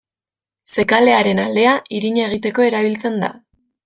Zekalearen alea, irina egiteko erabiltzen da.